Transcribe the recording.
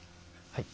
はい。